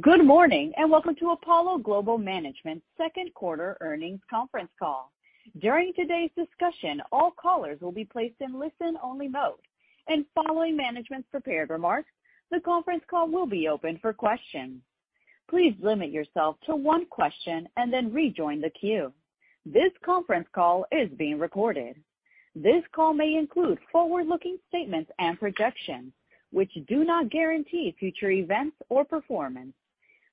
Good morning, and welcome to Apollo Global Management second quarter earnings conference call. During today's discussion, all callers will be placed in listen-only mode, and following management's prepared remarks, the conference call will be open for questions. Please limit yourself to one question and then rejoin the queue. This conference call is being recorded. This call may include forward-looking statements and projections, which do not guarantee future events or performance.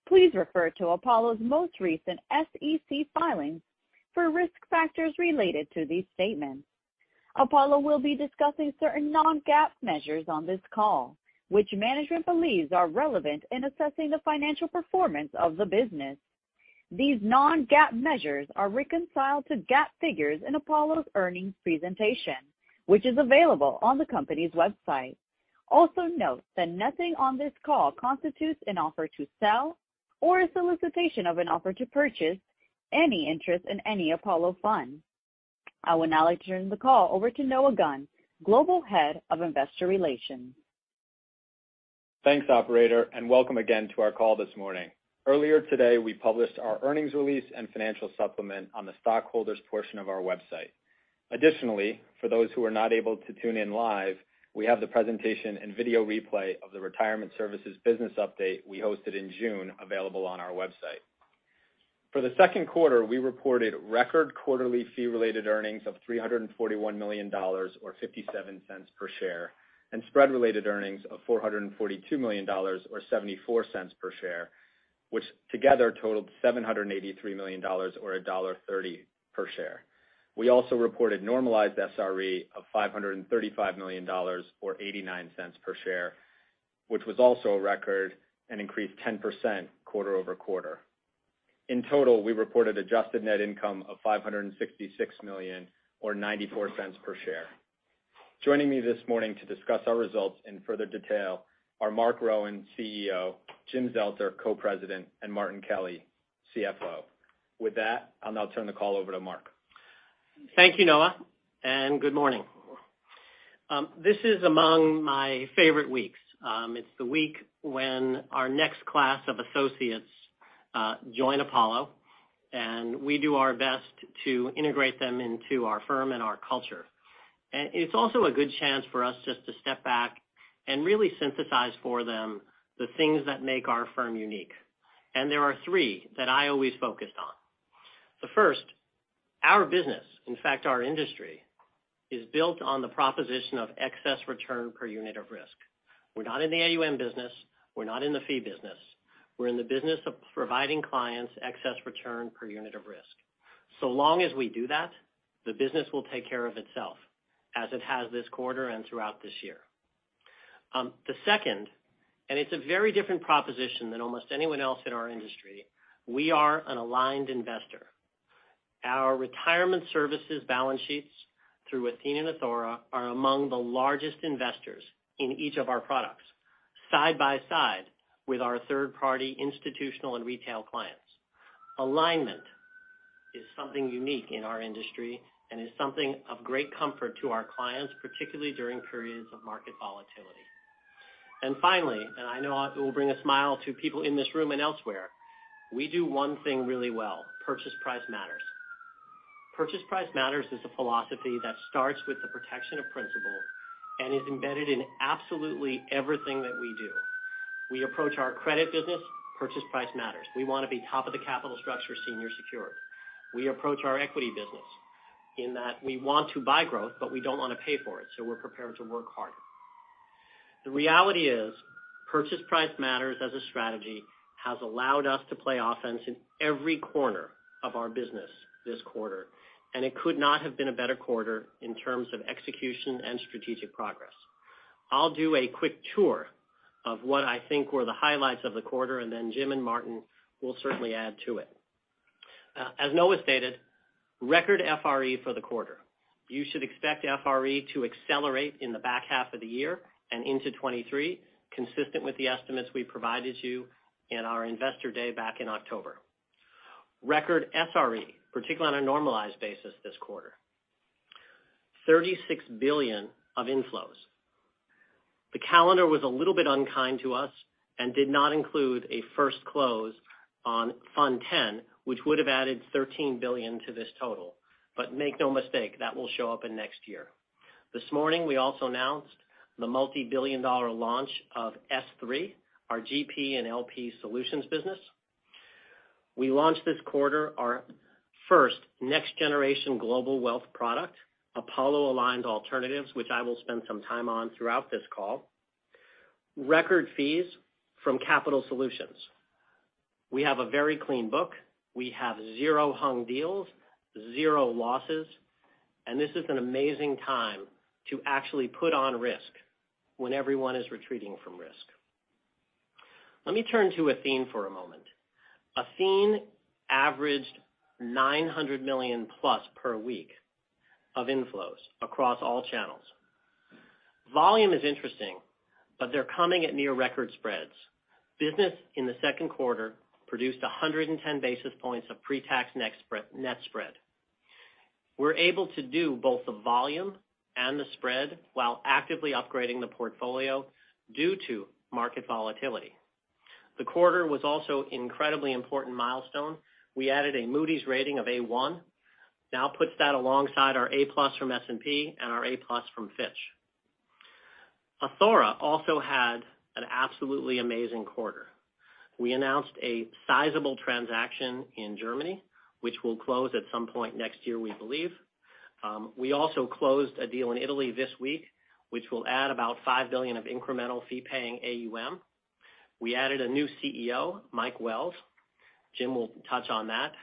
Please refer to Apollo's most recent SEC filings for risk factors related to these statements. Apollo will be discussing certain non-GAAP measures on this call, which management believes are relevant in assessing the financial performance of the business. These non-GAAP measures are reconciled to GAAP figures in Apollo's earnings presentation, which is available on the company's website. Also note that nothing on this call constitutes an offer to sell or a solicitation of an offer to purchase any interest in any Apollo fund. I would now like to turn the call over to Noah Gunn, Global Head of Investor Relations. Thanks, operator, and welcome again to our call this morning. Earlier today, we published our earnings release and financial supplement on the stockholders' portion of our website. Additionally, for those who are not able to tune in live, we have the presentation and video replay of the Retirement Services business update we hosted in June available on our website. For the second quarter, we reported record quarterly fee-related earnings of $341 million or $0.57 per share, and spread-related earnings of $442 million or $0.74 per share, which together totaled $783 million or $1.30 per share. We also reported normalized SRE of $535 million or $0.89 per share, which was also a record and increased 10% quarter-over-quarter. In total, we reported adjusted net income of $566 million or $0.94 per share. Joining me this morning to discuss our results in further detail are Marc Rowan, CEO, Jim Zelter, Co-President, and Martin Kelly, CFO. With that, I'll now turn the call over to Marc. Thank you, Noah, and good morning. This is among my favorite weeks. It's the week when our next class of associates join Apollo, and we do our best to integrate them into our firm and our culture. It's also a good chance for us just to step back and really synthesize for them the things that make our firm unique. There are three that I always focused on. The first, our business, in fact, our industry, is built on the proposition of excess return per unit of risk. We're not in the AUM business. We're not in the fee business. We're in the business of providing clients excess return per unit of risk. So long as we do that, the business will take care of itself, as it has this quarter and throughout this year. The second, it's a very different proposition than almost anyone else in our industry, we are an aligned investor. Our retirement services balance sheets through Athene and Athora are among the largest investors in each of our products side by side with our third-party institutional and retail clients. Alignment is something unique in our industry and is something of great comfort to our clients, particularly during periods of market volatility. Finally, and I know it will bring a smile to people in this room and elsewhere, we do one thing really well. Purchase Price Matters. Purchase Price Matters is a philosophy that starts with the protection of principal and is embedded in absolutely everything that we do. We approach our credit business, Purchase Price Matters. We wanna be top of the capital structure, senior secured. We approach our equity business in that we want to buy growth, but we don't want to pay for it, so we're prepared to work hard. The reality is, Purchase Price Matters as a strategy has allowed us to play offense in every corner of our business this quarter, and it could not have been a better quarter in terms of execution and strategic progress. I'll do a quick tour of what I think were the highlights of the quarter, and then Jim and Martin will certainly add to it. As Noah stated, record FRE for the quarter. You should expect FRE to accelerate in the back half of the year and into 2023, consistent with the estimates we provided you in our Investor Day back in October. Record SRE, particularly on a normalized basis this quarter. $36 billion of inflows. The calendar was a little bit unkind to us and did not include a first close on Fund X, which would have added $13 billion to this total. Make no mistake, that will show up in next year. This morning, we also announced the multi-billion dollar launch of S3, our GP and LP solutions business. We launched this quarter our next generation Global Wealth product, Apollo Aligned Alternatives, which I will spend some time on throughout this call. Record fees from Capital Solutions. We have a very clean book. We have zero hung deals, zero losses, and this is an amazing time to actually put on risk when everyone is retreating from risk. Let me turn to Athene for a moment. Athene averaged $900 million+ per week of inflows across all channels. Volume is interesting, but they're coming at near record spreads. Business in the second quarter produced 110 basis points of pre-tax net spread. We're able to do both the volume and the spread while actively upgrading the portfolio due to market volatility. The quarter was also incredibly important milestone. We added a Moody's rating of A1, now puts that alongside our A+ from S&P and our A+ from Fitch. Athora also had an absolutely amazing quarter. We announced a sizable transaction in Germany, which will close at some point next year, we believe. We also closed a deal in Italy this week, which will add about $5 billion of incremental fee-paying AUM. We added a new CEO, Mike Wells. Jim will touch on that.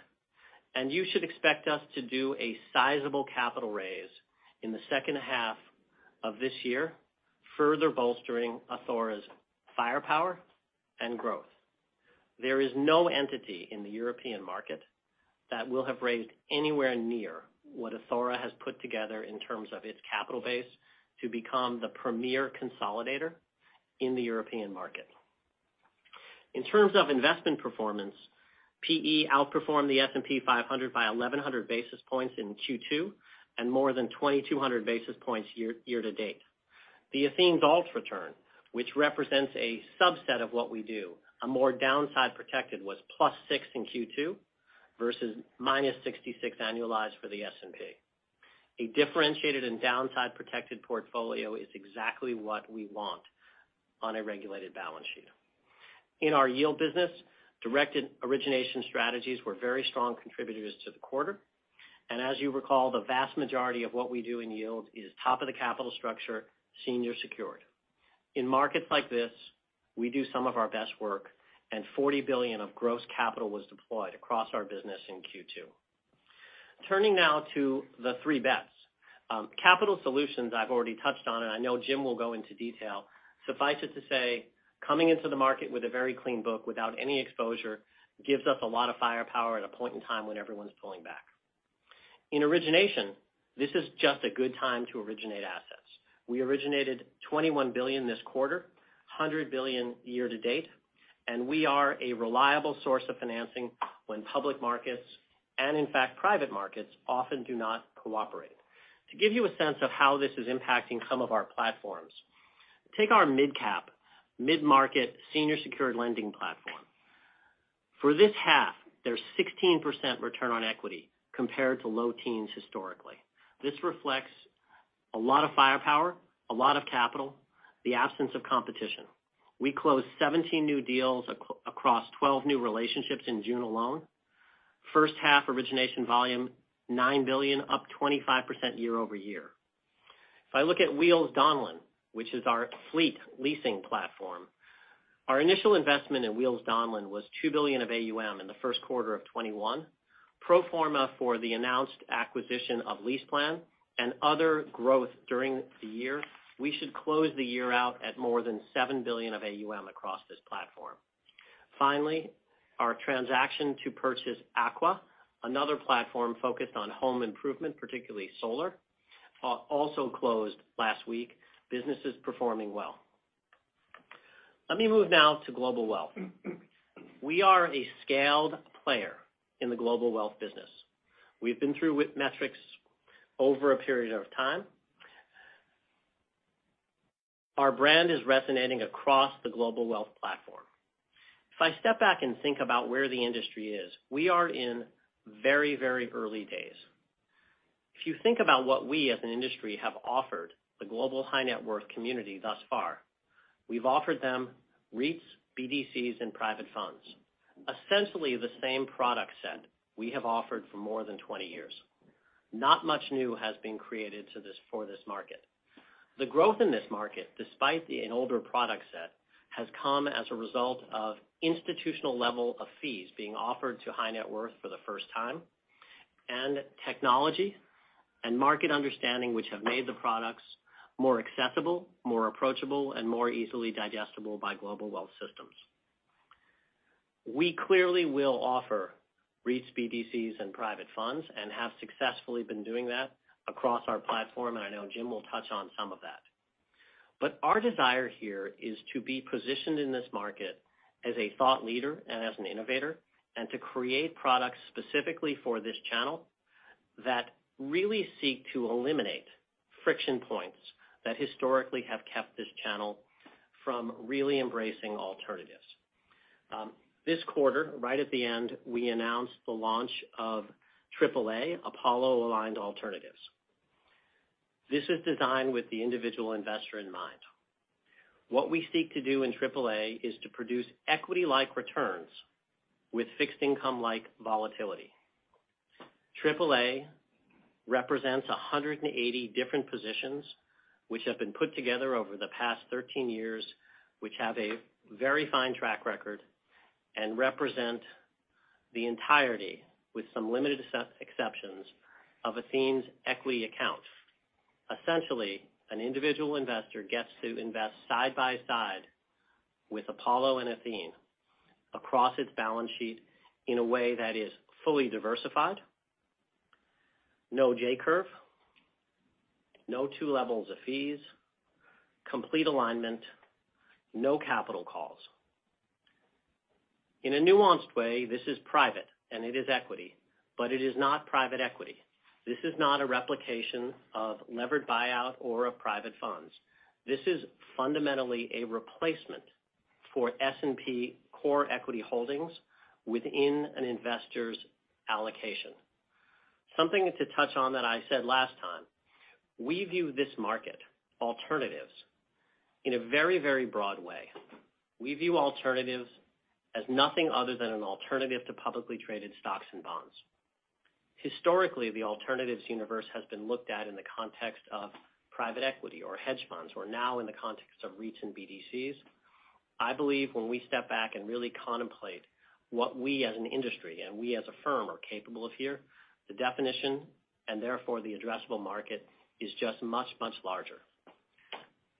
You should expect us to do a sizable capital raise in the second half of this year, further bolstering Athora's firepower and growth. There is no entity in the European market that will have raised anywhere near what Athora has put together in terms of its capital base to become the premier consolidator in the European market. In terms of investment performance, PE outperformed the S&P 500 by 1,100 basis points in Q2, and more than 2,200 basis points year-over-year to date. Athene's ALTS return, which represents a subset of what we do, a more downside protected was +6% in Q2 versus -66% annualized for the S&P 500. A differentiated and downside protected portfolio is exactly what we want on a regulated balance sheet. In our yield business, directed origination strategies were very strong contributors to the quarter. As you recall, the vast majority of what we do in yield is top of the capital structure, senior secured. In markets like this, we do some of our best work, and $40 billion of gross capital was deployed across our business in Q2. Turning now to the three bets. Capital solutions, I've already touched on, and I know Jim will go into detail. Suffice it to say, coming into the market with a very clean book without any exposure gives us a lot of firepower at a point in time when everyone's pulling back. In origination, this is just a good time to originate assets. We originated $21 billion this quarter, $100 billion year to date, and we are a reliable source of financing when public markets, and in fact, private markets, often do not cooperate. To give you a sense of how this is impacting some of our platforms, take our MidCap, mid-market, senior secured lending platform. For this half, there's 16% return on equity compared to low teens historically. This reflects a lot of firepower, a lot of capital, the absence of competition. We closed 17 new deals across 12 new relationships in June alone. First half origination volume, $9 billion, up 25% year-over-year. If I look at Wheels Donlen, which is our fleet leasing platform, our initial investment in Wheels Donlen was $2 billion of AUM in the first quarter of 2021. Pro forma for the announced acquisition of LeasePlan and other growth during the year, we should close the year out at more than $7 billion of AUM across this platform. Finally, our transaction to purchase Aqua, another platform focused on home improvement, particularly solar, also closed last week. Business is performing well. Let me move now to Global Wealth. We are a scaled player in the Global Wealth business. We've been through with metrics over a period of time. Our brand is resonating across the Global Wealth platform. If I step back and think about where the industry is, we are in very, very early days. If you think about what we as an industry have offered the global high net worth community thus far, we've offered them REITs, BDCs, and private funds. Essentially the same product set we have offered for more than 20 years. Not much new has been created for this market. The growth in this market, despite the older product set, has come as a result of institutional level of fees being offered to high net worth for the first time, and technology and market understanding which have made the products more accessible, more approachable, and more easily digestible by Global Wealth systems. We clearly will offer REITs, BDCs, and private funds, and have successfully been doing that across our platform, and I know Jim will touch on some of that. Our desire here is to be positioned in this market as a thought leader and as an innovator, and to create products specifically for this channel that really seek to eliminate friction points that historically have kept this channel from really embracing alternatives. This quarter, right at the end, we announced the launch of AAA, Apollo Aligned Alternatives. This is designed with the individual investor in mind. What we seek to do in AAA is to produce equity-like returns with fixed income-like volatility. AAA represents 180 different positions which have been put together over the past 13 years, which have a very fine track record and represent the entirety with some limited exceptions of Athene's equity accounts. Essentially, an individual investor gets to invest side by side with Apollo and Athene across its balance sheet in a way that is fully diversified, no J curve, no two levels of fees, complete alignment, no capital calls. In a nuanced way, this is private and it is equity, but it is not private equity. This is not a replication of levered buyout or of private funds. This is fundamentally a replacement for S&P core equity holdings within an investor's allocation. Something to touch on that I said last time, we view this market, alternatives, in a very, very broad way. We view alternatives as nothing other than an alternative to publicly traded stocks and bonds. Historically, the alternatives universe has been looked at in the context of private equity or hedge funds, or now in the context of REITs and BDCs. I believe when we step back and really contemplate what we as an industry and we as a firm are capable of here, the definition, and therefore the addressable market, is just much, much larger.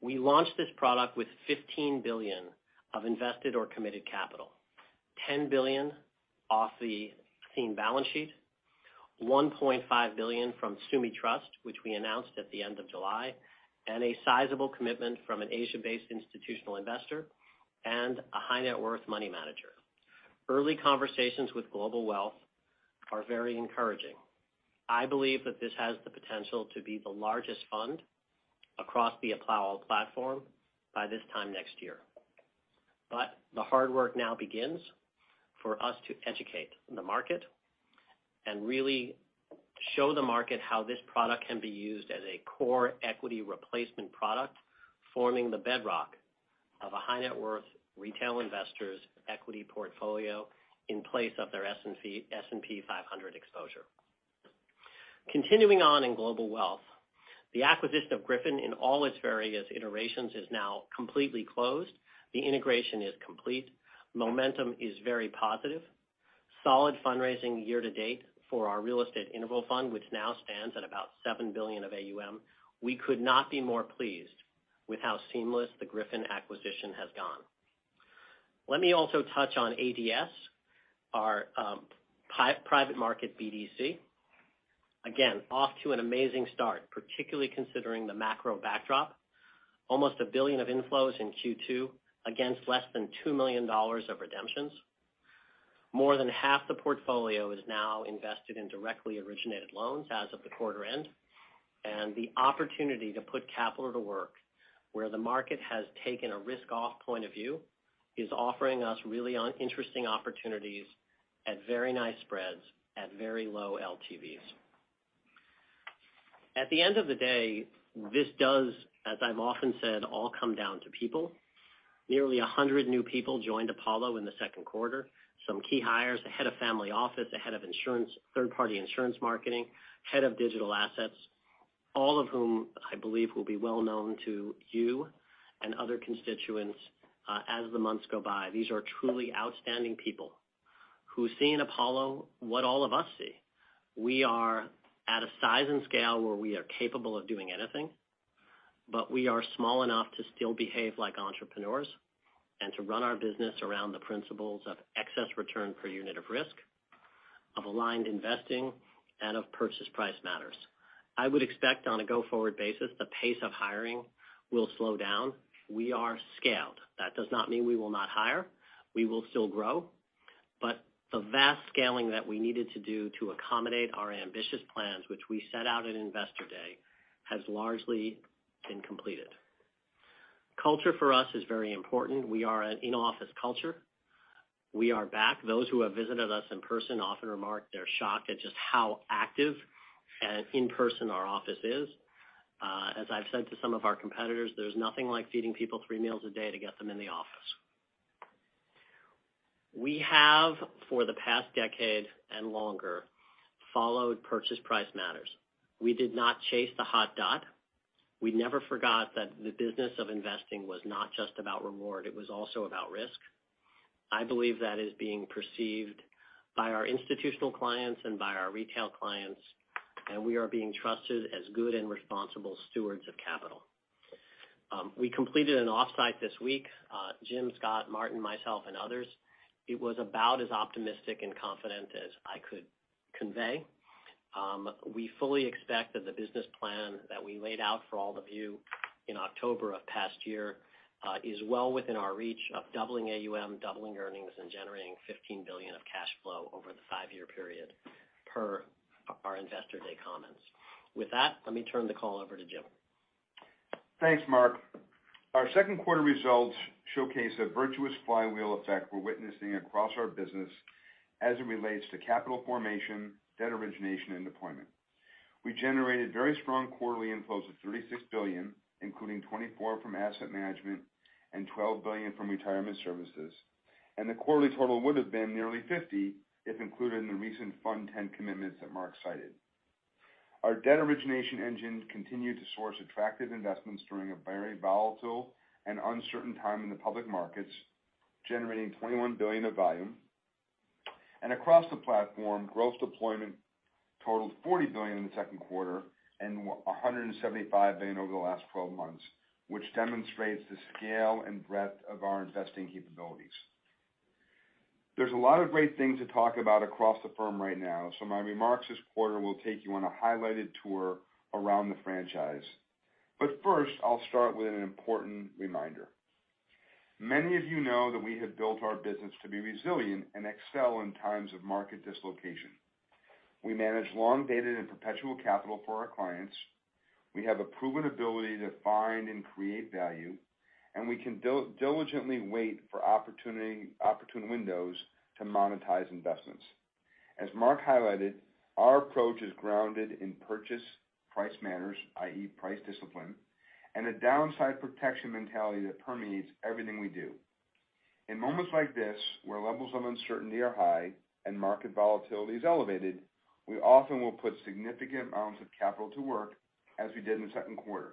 We launched this product with $15 billion of invested or committed capital, $10 billion off the Athene balance sheet, $1.5 billion from SuMi TRUST which we announced at the end of July, and a sizable commitment from an Asia-based institutional investor and a high net worth money manager. Early conversations with Global Wealth are very encouraging. I believe that this has the potential to be the largest fund across the Apollo platform by this time next year. The hard work now begins for us to educate the market and really show the market how this product can be used as a core equity replacement product, forming the bedrock of a high net worth retail investor's equity portfolio in place of their S&P 500 exposure. Continuing on in Global Wealth, the acquisition of Griffin in all its various iterations is now completely closed. The integration is complete. Momentum is very positive. Solid fundraising year to date for our real estate interval fund, which now stands at about $7 billion of AUM. We could not be more pleased with how seamless the Griffin acquisition has gone. Let me also touch on ADS, our private market BDC. Again, off to an amazing start, particularly considering the macro backdrop. Almost $1 billion of inflows in Q2 against less than $2 million of redemptions. More than half the portfolio is now invested in directly originated loans as of the quarter end, and the opportunity to put capital to work where the market has taken a risk off point of view is offering us really interesting opportunities at very nice spreads at very low LTVs. At the end of the day, this does, as I've often said, all come down to people. Nearly 100 new people joined Apollo in the second quarter. Some key hires, the head of family office, the head of third-party insurance marketing, head of digital assets, all of whom I believe will be well known to you and other constituents, as the months go by. These are truly outstanding people who see in Apollo what all of us see. We are at a size and scale where we are capable of doing anything, but we are small enough to still behave like entrepreneurs and to run our business around the principles of excess return per unit of risk, of aligned investing, and of Purchase Price Matters. I would expect on a go-forward basis, the pace of hiring will slow down. We are scaled. That does not mean we will not hire. We will still grow. The vast scaling that we needed to do to accommodate our ambitious plans, which we set out at Investor Day, has largely been completed. Culture for us is very important. We are an in-office culture. We are back. Those who have visited us in person often remark they're shocked at just how active and in person our office is. As I've said to some of our competitors, there's nothing like feeding people three meals a day to get them in the office. We have, for the past decade and longer, followed Purchase Price Matters. We did not chase the hot dot. We never forgot that the business of investing was not just about reward, it was also about risk. I believe that is being perceived by our institutional clients and by our retail clients, and we are being trusted as good and responsible stewards of capital. We completed an off-site this week, Jim, Scott, Martin, myself, and others. It was about as optimistic and confident as I could convey. We fully expect that the business plan that we laid out for all of you in October of past year is well within our reach of doubling AUM, doubling earnings, and generating $15 billion of cash flow over the five-year period per our Investor Day comments. With that, let me turn the call over to Jim. Thanks, Marc. Our second quarter results showcase a virtuous flywheel effect we're witnessing across our business as it relates to capital formation, debt origination, and deployment. We generated very strong quarterly inflows of $36 billion, including $24 billion from asset management and $12 billion from retirement services, and the quarterly total would have been nearly $50 billion if included in the recent Fund X commitments that Marc cited. Our debt origination engine continued to source attractive investments during a very volatile and uncertain time in the public markets, generating $21 billion of volume. Across the platform, gross deployment totaled $40 billion in the second quarter and $175 billion over the last twelve months, which demonstrates the scale and breadth of our investing capabilities. There's a lot of great things to talk about across the firm right now, so my remarks this quarter will take you on a highlighted tour around the franchise. First, I'll start with an important reminder. Many of you know that we have built our business to be resilient and excel in times of market dislocation. We manage long-dated and perpetual capital for our clients. We have a proven ability to find and create value, and we can diligently wait for opportune windows to monetize investments. As Marc highlighted, our approach is grounded in Purchase Price Matters, i.e., price discipline, and a downside protection mentality that permeates everything we do. In moments like this, where levels of uncertainty are high and market volatility is elevated, we often will put significant amounts of capital to work as we did in the second quarter.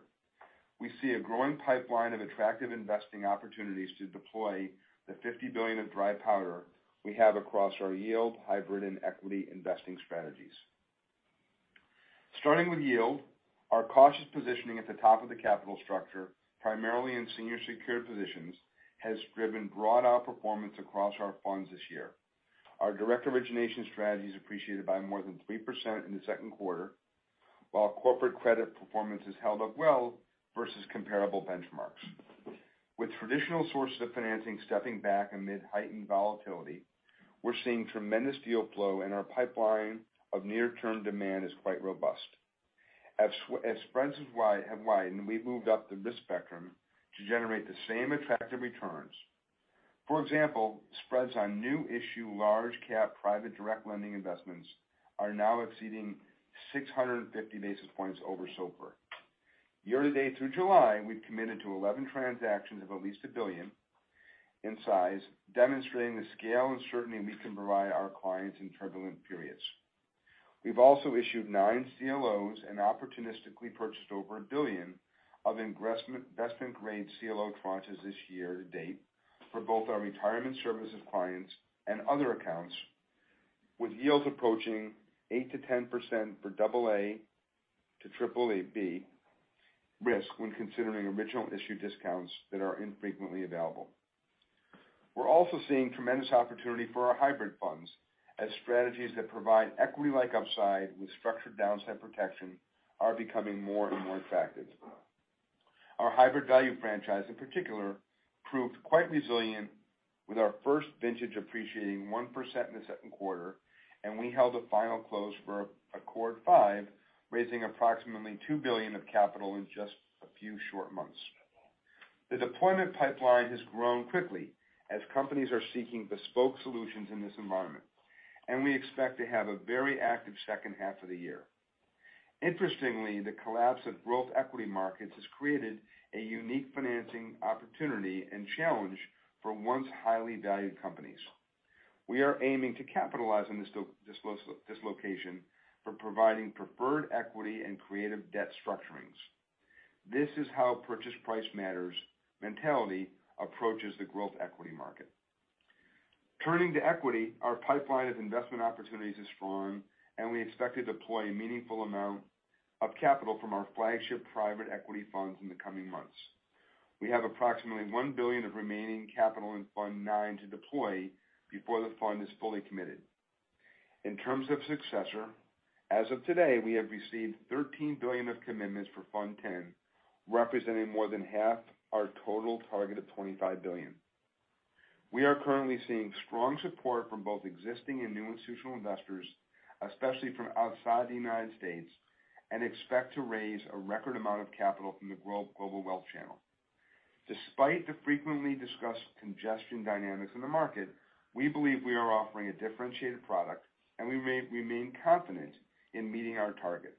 We see a growing pipeline of attractive investing opportunities to deploy the $50 billion of dry powder we have across our yield, hybrid, and equity investing strategies. Starting with yield, our cautious positioning at the top of the capital structure, primarily in senior secured positions, has driven broad outperformance across our funds this year. Our direct origination strategy appreciated by more than 3% in the second quarter, while corporate credit performance has held up well versus comparable benchmarks. With traditional sources of financing stepping back amid heightened volatility, we're seeing tremendous deal flow and our pipeline of near-term demand is quite robust. As spreads have widened, we've moved up the risk spectrum to generate the same attractive returns. For example, spreads on new issue large cap private direct lending investments are now exceeding 650 basis points over SOFR. Year to date through July, we've committed to 11 transactions of at least $1 billion in size, demonstrating the scale and certainty we can provide our clients in turbulent periods. We've also issued 9 CLOs and opportunistically purchased over $1 billion of investment grade CLO tranches this year to date for both our retirement services clients and other accounts, with yields approaching 8%-10% for AA to BBB risk when considering original issue discounts that are infrequently available. We're also seeing tremendous opportunity for our hybrid funds as strategies that provide equity-like upside with structured downside protection are becoming more and more attractive. Our hybrid value franchise in particular proved quite resilient with our first vintage appreciating 1% in the second quarter, and we held a final close for Accord V, raising approximately $2 billion of capital in just a few short months. The deployment pipeline has grown quickly as companies are seeking bespoke solutions in this environment, and we expect to have a very active second half of the year. Interestingly, the collapse of growth equity markets has created a unique financing opportunity and challenge for once highly valued companies. We are aiming to capitalize on this dislocation for providing preferred equity and creative debt structurings. This is how Purchase Price Matters mentality approaches the growth equity market. Turning to equity, our pipeline of investment opportunities is strong, and we expect to deploy a meaningful amount of capital from our flagship private equity funds in the coming months. We have approximately $1 billion of remaining capital in Fund IX to deploy before the fund is fully committed. In terms of successor, as of today, we have received $13 billion of commitments for Fund X, representing more than half our total target of $25 billion. We are currently seeing strong support from both existing and new institutional investors, especially from outside the United States, and expect to raise a record amount of capital from the Global Wealth channel. Despite the frequently discussed congestion dynamics in the market, we believe we are offering a differentiated product, and we remain confident in meeting our target.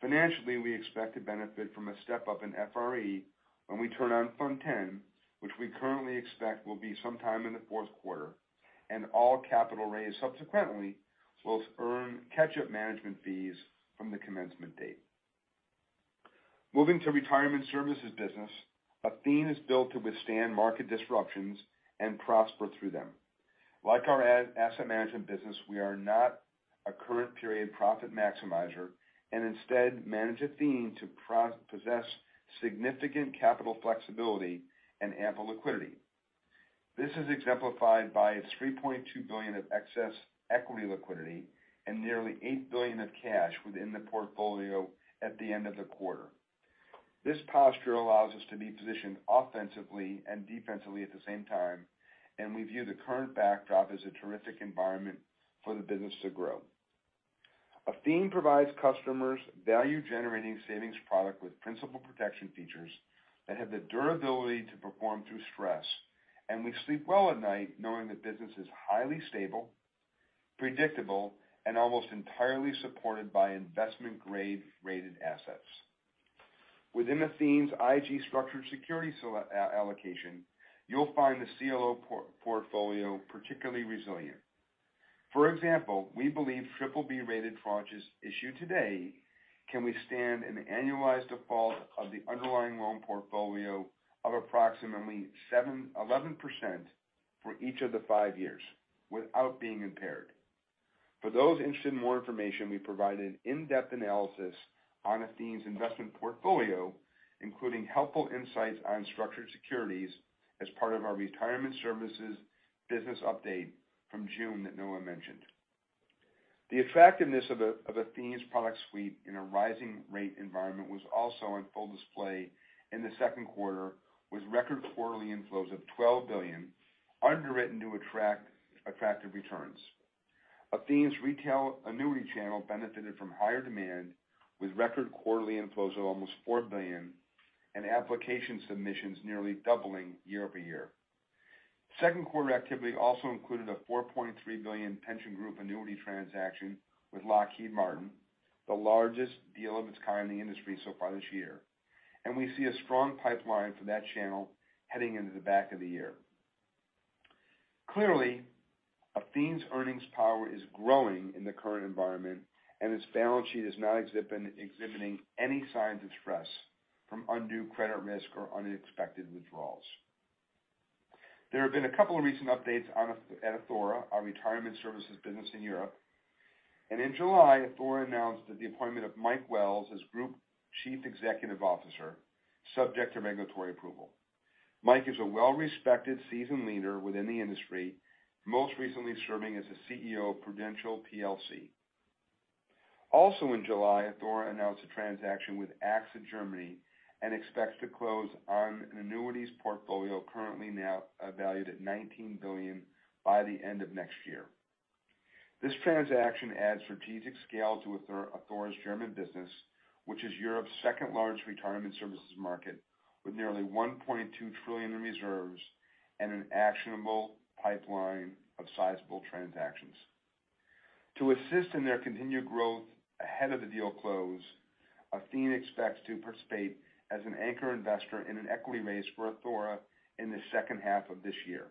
Financially, we expect to benefit from a step-up in FRE when we turn on Fund X, which we currently expect will be sometime in the fourth quarter, and all capital raised subsequently will earn catch-up management fees from the commencement date. Moving to retirement services business, Athene is built to withstand market disruptions and prosper through them. Like our asset management business, we are not a current period profit maximizer and instead manage Athene to possess significant capital flexibility and ample liquidity. This is exemplified by its $3.2 billion of excess equity liquidity and nearly $8 billion of cash within the portfolio at the end of the quarter. This posture allows us to be positioned offensively and defensively at the same time, and we view the current backdrop as a terrific environment for the business to grow. Athene provides customers value-generating savings product with principal protection features that have the durability to perform through stress, and we sleep well at night knowing the business is highly stable, predictable, and almost entirely supported by investment grade rated assets. Within Athene's IG structured securities allocation, you'll find the CLO portfolio particularly resilient. For example, we believe BBB-rated tranches issued today can withstand an annualized default of the underlying loan portfolio of approximately 7%-11% for each of the five years without being impaired. For those interested in more information, we provide an in-depth analysis on Athene's investment portfolio, including helpful insights on structured securities as part of our retirement services business update from June that Noah mentioned. The attractiveness of Athene's product suite in a rising rate environment was also on full display in the second quarter with record quarterly inflows of $12 billion underwritten to attract attractive returns. Athene's retail annuity channel benefited from higher demand with record quarterly inflows of almost $4 billion and application submissions nearly doubling year-over-year. Second quarter activity also included a $4.3 billion pension group annuity transaction with Lockheed Martin, the largest deal of its kind in the industry so far this year. We see a strong pipeline for that channel heading into the back half of the year. Clearly, Athene's earnings power is growing in the current environment, and its balance sheet is not exhibiting any signs of stress from undue credit risk or unexpected withdrawals. There have been a couple of recent updates at Athora, our retirement services business in Europe. In July, Athora announced the appointment of Mike Wells as Group Chief Executive Officer, subject to regulatory approval. Mike is a well-respected seasoned leader within the industry, most recently serving as the CEO of Prudential plc. Also in July, Athora announced a transaction with AXA Germany and expects to close on an annuities portfolio currently now valued at $19 billion by the end of next year. This transaction adds strategic scale to Athora's German business, which is Europe's second-largest retirement services market, with nearly $1.2 trillion in reserves and an actionable pipeline of sizable transactions. To assist in their continued growth ahead of the deal close, Athene expects to participate as an anchor investor in an equity raise for Athora in the second half of this year.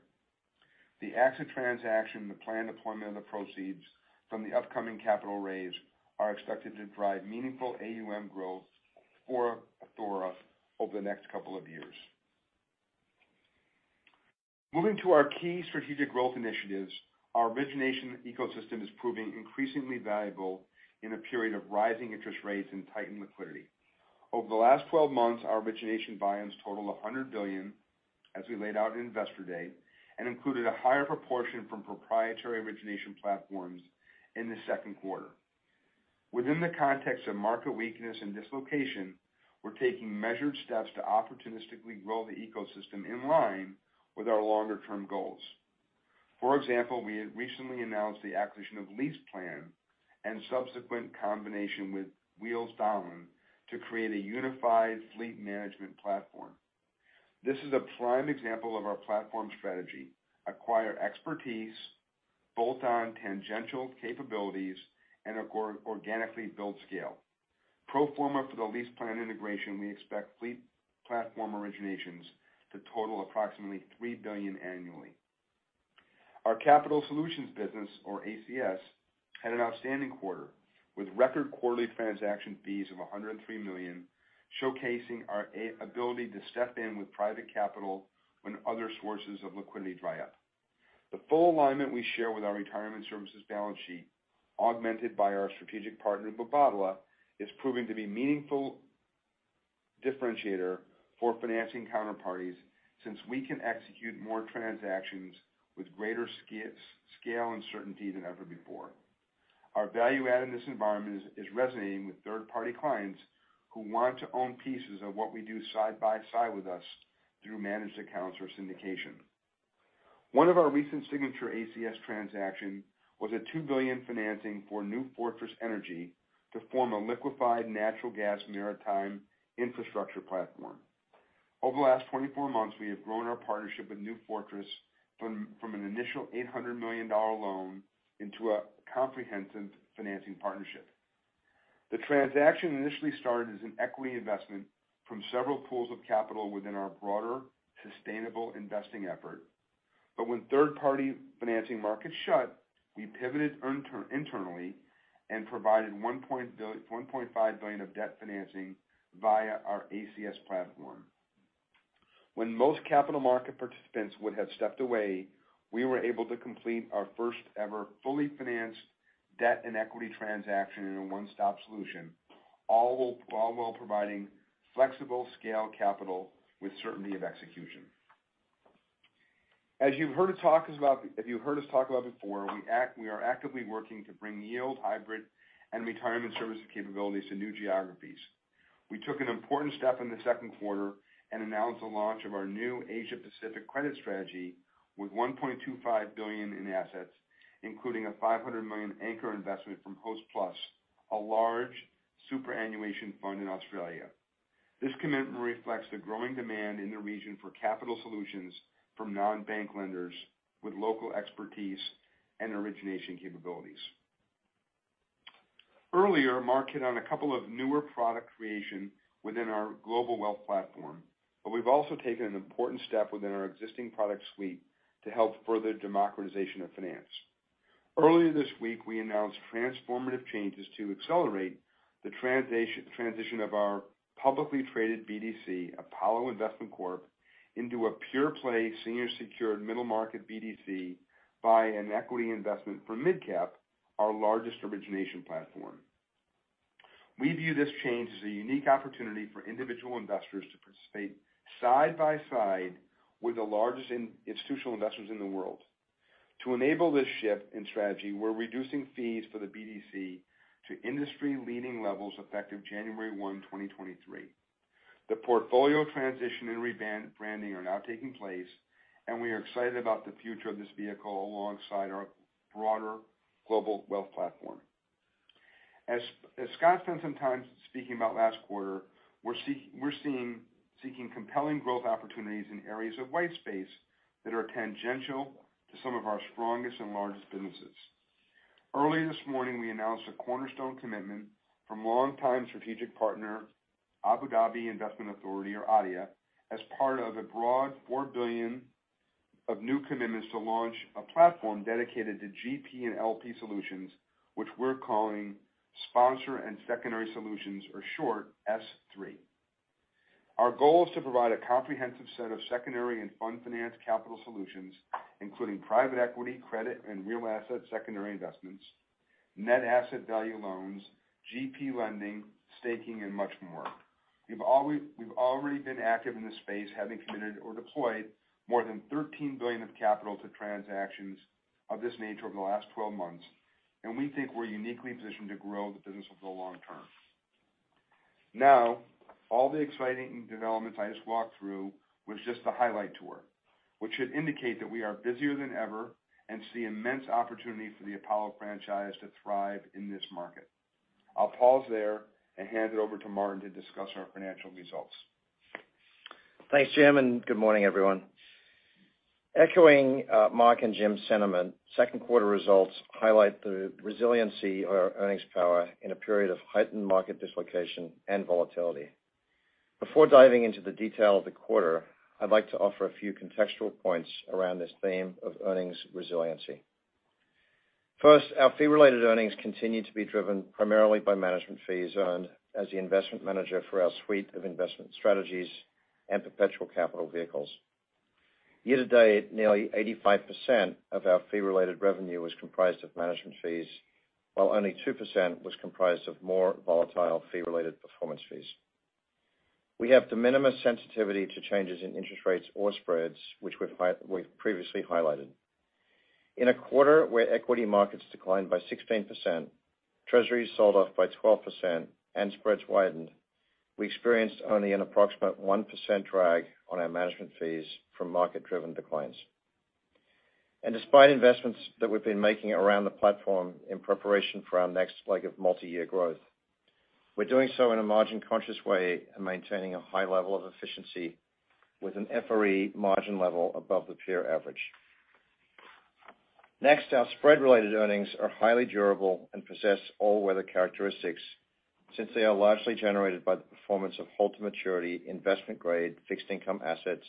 The AXA transaction, the planned deployment of the proceeds from the upcoming capital raise are expected to drive meaningful AUM growth for Athora over the next couple of years. Moving to our key strategic growth initiatives, our origination ecosystem is proving increasingly valuable in a period of rising interest rates and tightened liquidity. Over the last 12 months, our origination buy-ins total $100 billion, as we laid out in Investor Day, and included a higher proportion from proprietary origination platforms in the second quarter. Within the context of market weakness and dislocation, we're taking measured steps to opportunistically grow the ecosystem in line with our longer-term goals. For example, we had recently announced the acquisition of LeasePlan and subsequent combination with Wheels Donlen to create a unified fleet management platform. This is a prime example of our platform strategy. Acquire expertise, bolt on tangential capabilities, and organically build scale. Pro forma for the LeasePlan integration, we expect fleet platform originations to total approximately $3 billion annually. Our Capital Solutions business, or ACS, had an outstanding quarter with record quarterly transaction fees of $103 million, showcasing our ability to step in with private capital when other sources of liquidity dry up. The full alignment we share with our retirement services balance sheet, augmented by our strategic partner, Mubadala, is proving to be meaningful differentiator for financing counterparties since we can execute more transactions with greater scale and certainty than ever before. Our value add in this environment is resonating with third-party clients who want to own pieces of what we do side by side with us through managed accounts or syndication. One of our recent signature ACS transaction was a $2 billion financing for New Fortress Energy to form a liquefied natural gas maritime infrastructure platform. Over the last 24 months, we have grown our partnership with New Fortress from an initial $800 million loan into a comprehensive financing partnership. The transaction initially started as an equity investment from several pools of capital within our broader sustainable investing effort. When third-party financing markets shut, we pivoted internally and provided $1.5 billion of debt financing via our ACS platform. When most capital market participants would have stepped away, we were able to complete our first ever fully financed debt and equity transaction in a one-stop solution, all while providing flexible scale capital with certainty of execution. As you've heard us talk about before, we are actively working to bring yield, hybrid, and retirement services capabilities to new geographies. We took an important step in the second quarter and announced the launch of our new Asia Pacific Credit Strategy with $1.25 billion in assets, including a $500 million anchor investment from Hostplus, a large superannuation fund in Australia. This commitment reflects the growing demand in the region for capital solutions from non-bank lenders with local expertise and origination capabilities. Earlier, Marc hit on a couple of newer product creation within our Global Wealth platform, but we've also taken an important step within our existing product suite to help further democratization of finance. Earlier this week, we announced transformative changes to accelerate the transition of our publicly traded BDC, Apollo Investment Corp, into a pure play, senior secured middle market BDC by an equity investment from MidCap, our largest origination platform. We view this change as a unique opportunity for individual investors to participate side by side with the largest institutional investors in the world. To enable this shift in strategy, we're reducing fees for the BDC to industry-leading levels effective January 1, 2023. The portfolio transition and rebranding are now taking place, and we are excited about the future of this vehicle alongside our broader Global Wealth platform. As Scott spent some time speaking about last quarter, we're seeking compelling growth opportunities in areas of white space that are tangential to some of our strongest and largest businesses. Early this morning, we announced a cornerstone commitment from longtime strategic partner, Abu Dhabi Investment Authority, or ADIA, as part of a broad $4 billion of new commitments to launch a platform dedicated to GP and LP solutions, which we're calling Sponsor and Secondary Solutions or short, S3. Our goal is to provide a comprehensive set of Secondary and Fund Finance Capital Solutions, including private equity, credit, and real asset secondary investments, net asset value loans, GP lending, staking, and much more. We've already been active in this space, having committed or deployed more than $13 billion of capital to transactions of this nature over the last 12 months, and we think we're uniquely positioned to grow the business over the long term. Now, all the exciting developments I just walked through was just the highlight tour, which should indicate that we are busier than ever and see immense opportunity for the Apollo franchise to thrive in this market. I'll pause there and hand it over to Martin to discuss our financial results. Thanks, Jim, and good morning, everyone. Echoing Marc and Jim's sentiment, second quarter results highlight the resiliency of our earnings power in a period of heightened market dislocation and volatility. Before diving into the detail of the quarter, I'd like to offer a few contextual points around this theme of earnings resiliency. First, our fee-related earnings continue to be driven primarily by management fees earned as the investment manager for our suite of investment strategies and perpetual capital vehicles. Year to date, nearly 85% of our fee-related revenue was comprised of management fees, while only 2% was comprised of more volatile fee-related performance fees. We have de minimis sensitivity to changes in interest rates or spreads, which we've previously highlighted. In a quarter where equity markets declined by 16%, treasuries sold off by 12% and spreads widened, we experienced only an approximate 1% drag on our management fees from market-driven declines. Despite investments that we've been making around the platform in preparation for our next leg of multi-year growth, we're doing so in a margin-conscious way and maintaining a high level of efficiency with an FRE margin level above the peer average. Next, our spread-related earnings are highly durable and possess all-weather characteristics since they are largely generated by the performance of hold-to-maturity investment-grade fixed income assets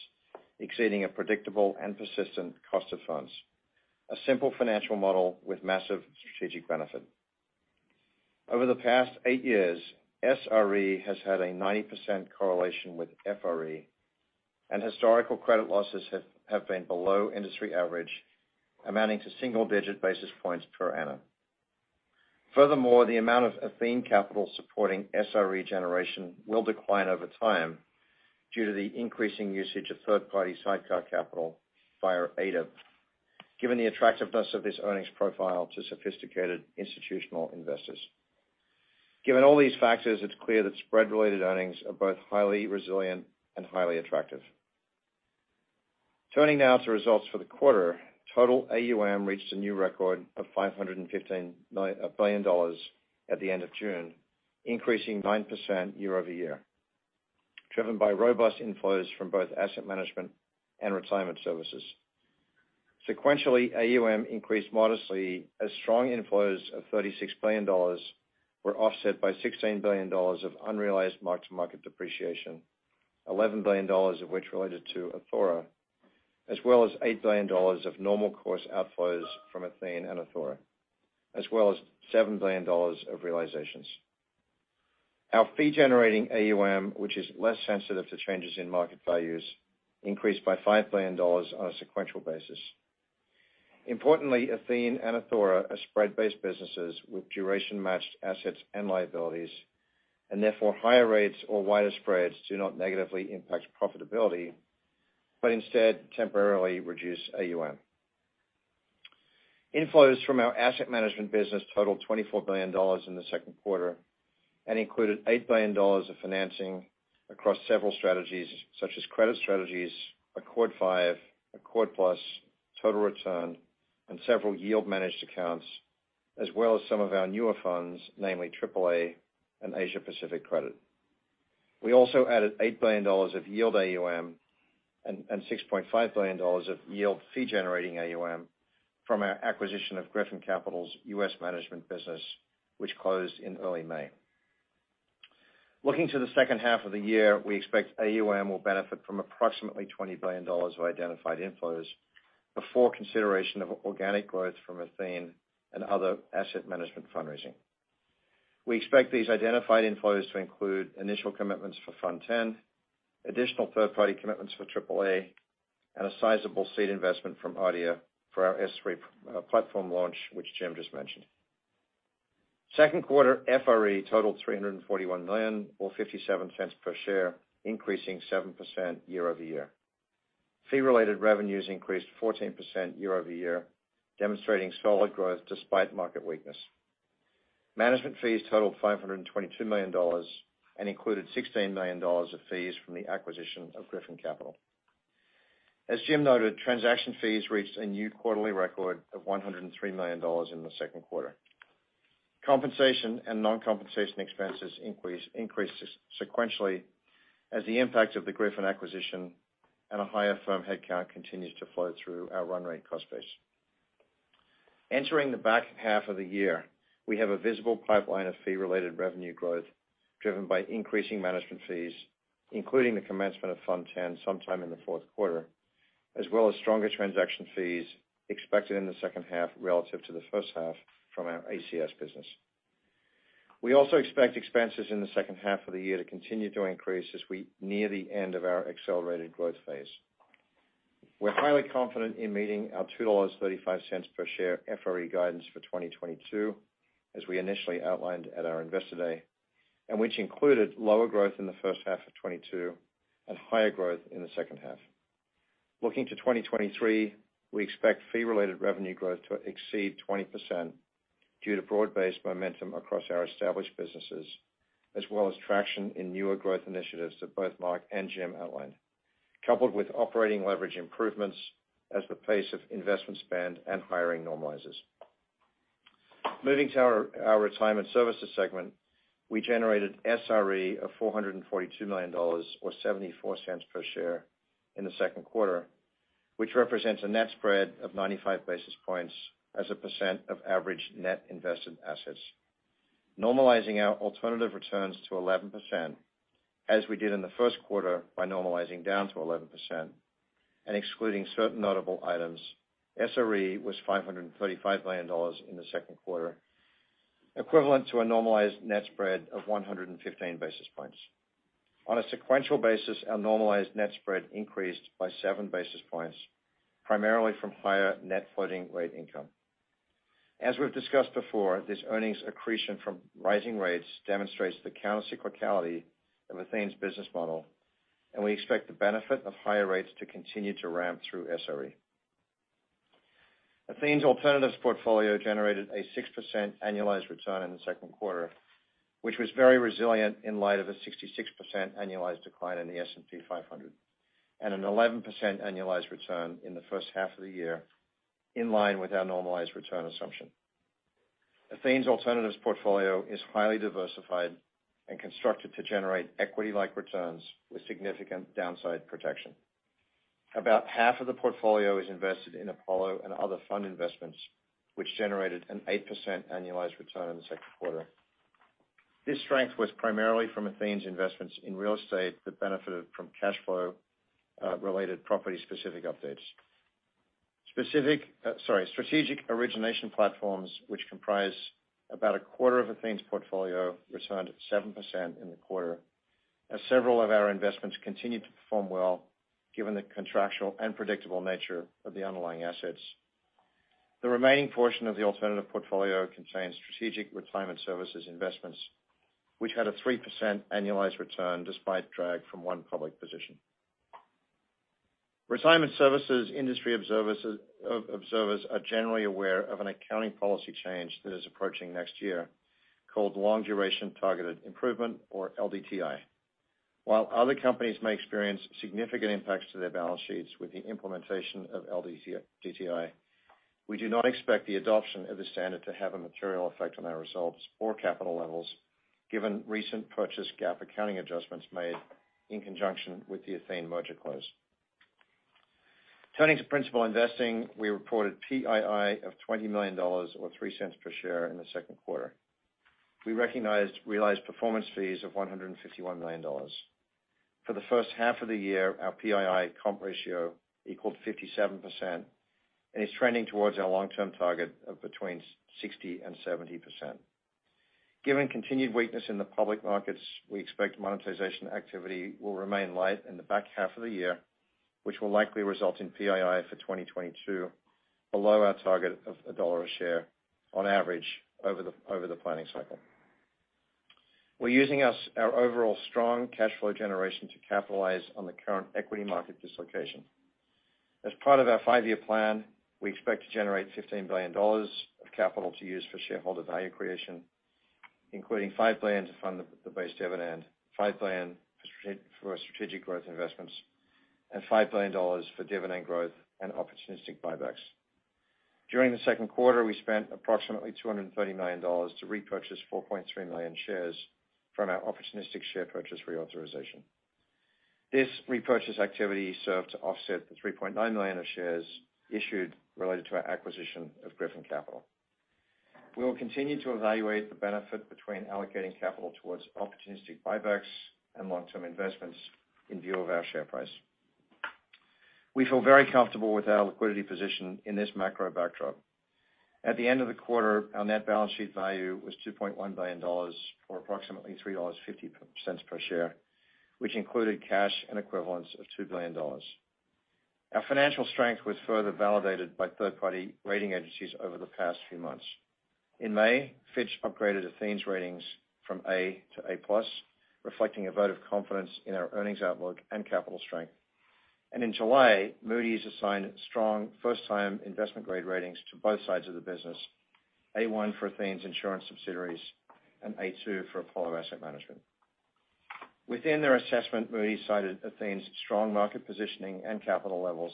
exceeding a predictable and persistent cost of funds, a simple financial model with massive strategic benefit. Over the past eight years, SRE has had a 90% correlation with FRE, and historical credit losses have been below industry average, amounting to single digit basis points per annum. Furthermore, the amount of Athene capital supporting SRE generation will decline over time due to the increasing usage of third-party sidecar capital via ADIP, given the attractiveness of this earnings profile to sophisticated institutional investors. Given all these factors, it's clear that spread-related earnings are both highly resilient and highly attractive. Turning now to results for the quarter, total AUM reached a new record of $515 billion at the end of June, increasing 9% year-over-year, driven by robust inflows from both asset management and retirement services. Sequentially, AUM increased modestly as strong inflows of $36 billion were offset by $16 billion of unrealized mark-to-market depreciation, $11 billion of which related to Athora, as well as $8 billion of normal course outflows from Athene and Athora, as well as $7 billion of realizations. Our fee-generating AUM, which is less sensitive to changes in market values, increased by $5 billion on a sequential basis. Importantly, Athene and Athora are spread-based businesses with duration-matched assets and liabilities, and therefore, higher rates or wider spreads do not negatively impact profitability, but instead temporarily reduce AUM. Inflows from our asset management business totaled $24 billion in the second quarter and included $8 billion of financing across several strategies such as credit strategies, Accord V, Accord+, total return, and several yield managed accounts, as well as some of our newer funds, namely AAA and Asia Pacific Credit. We also added $8 billion of yield AUM and $6.5 billion of yield fee generating AUM from our acquisition of Griffin Capital's U.S. management business which closed in early May. Looking to the second half of the year, we expect AUM will benefit from approximately $20 billion of identified inflows before consideration of organic growth from Athene and other asset management fundraising. We expect these identified inflows to include initial commitments for Fund X, additional third-party commitments for AAA. A sizable seed investment from ADIA for our S3 platform launch, which Jim just mentioned. Second quarter FRE totaled $341 million or $0.57 per share, increasing 7% year-over-year. Fee-related revenues increased 14% year-over-year, demonstrating solid growth despite market weakness. Management fees totaled $522 million and included $16 million of fees from the acquisition of Griffin Capital. As Jim noted, transaction fees reached a new quarterly record of $103 million in the second quarter. Compensation and non-compensation expenses increased sequentially as the impact of the Griffin acquisition and a higher firm headcount continues to flow through our run rate cost base. Entering the back half of the year, we have a visible pipeline of fee-related revenue growth driven by increasing management fees, including the commencement of Fund X sometime in the fourth quarter, as well as stronger transaction fees expected in the second half relative to the first half from our ACS business. We also expect expenses in the second half of the year to continue to increase as we near the end of our accelerated growth phase. We're highly confident in meeting our $2.35 per share FRE guidance for 2022, as we initially outlined at our Investor Day, and which included lower growth in the first half of 2022 and higher growth in the second half. Looking to 2023, we expect fee-related revenue growth to exceed 20% due to broad-based momentum across our established businesses, as well as traction in newer growth initiatives that both Marc and Jim outlined, coupled with operating leverage improvements as the pace of investment spend and hiring normalizes. Moving to our Retirement Services segment, we generated SRE of $442 million or $0.74 cents per share in the second quarter, which represents a net spread of 95 basis points as a percent of average net invested assets. Normalizing our alternative returns to 11%, as we did in the first quarter by normalizing down to 11% and excluding certain notable items, SRE was $535 million in the second quarter, equivalent to a normalized net spread of 115 basis points. On a sequential basis, our normalized net spread increased by 7 basis points, primarily from higher net floating rate income. As we've discussed before, this earnings accretion from rising rates demonstrates the countercyclicality of Athene's business model, and we expect the benefit of higher rates to continue to ramp through SRE. Athene's alternatives portfolio generated a 6% annualized return in the second quarter, which was very resilient in light of a 66% annualized decline in the S&P 500, and an 11% annualized return in the first half of the year, in line with our normalized return assumption. Athene's alternatives portfolio is highly diversified and constructed to generate equity-like returns with significant downside protection. About half of the portfolio is invested in Apollo and other fund investments, which generated an 8% annualized return in the second quarter. This strength was primarily from Athene's investments in real estate that benefited from cash flow related property specific updates. Strategic origination platforms, which comprise about a quarter of Athene's portfolio, returned 7% in the quarter as several of our investments continued to perform well given the contractual and predictable nature of the underlying assets. The remaining portion of the alternative portfolio contains strategic retirement services investments, which had a 3% annualized return despite drag from one public position. Retirement services industry observers are generally aware of an accounting policy change that is approaching next year called Long-Duration Targeted Improvements or LDTI. While other companies may experience significant impacts to their balance sheets with the implementation of LDTI, we do not expect the adoption of the standard to have a material effect on our results or capital levels given recent purchase accounting GAAP adjustments made in conjunction with the Athene merger close. Turning to principal investing, we reported PII of $20 million or $0.03 per share in the second quarter. We recognized realized performance fees of $151 million. For the first half of the year, our PII comp ratio equaled 57% and is trending towards our long-term target of between 60% and 70%. Given continued weakness in the public markets, we expect monetization activity will remain light in the back half of the year, which will likely result in PII for 2022 below our target of $1 a share on average over the planning cycle. We're using our overall strong cash flow generation to capitalize on the current equity market dislocation. As part of our five-year plan, we expect to generate $15 billion of capital to use for shareholder value creation, including $5 billion to fund the base dividend, $5 billion for our strategic growth investments, and $5 billion for dividend growth and opportunistic buybacks. During the second quarter, we spent approximately $230 million to repurchase 4.3 million shares from our opportunistic share repurchase authorization. This repurchase activity served to offset the 3.9 million of shares issued related to our acquisition of Griffin Capital. We will continue to evaluate the benefit between allocating capital towards opportunistic buybacks and long-term investments in view of our share price. We feel very comfortable with our liquidity position in this macro backdrop. At the end of the quarter, our net balance sheet value was $2.1 billion, or approximately $3.50 per share, which included cash and equivalents of $2 billion. Our financial strength was further validated by third-party rating agencies over the past few months. In May, Fitch upgraded Athene's ratings from A to A+, reflecting a vote of confidence in our earnings outlook and capital strength. In July, Moody's assigned strong first-time investment grade ratings to both sides of the business, A1 for Athene's insurance subsidiaries and A2 for Apollo Asset Management. Within their assessment, Moody's cited Athene's strong market positioning and capital levels,